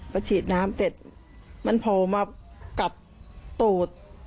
พอฉีดน้ำเสร็จมันโผล่มากับตูด